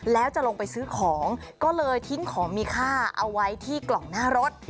แล้วจะลงไปซื้อของก็เลยทิ้งของมีค่าเอาไว้ที่กล่องหน้ารถ